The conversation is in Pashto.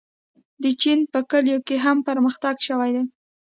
د چین په کلیو کې هم پرمختګ شوی دی.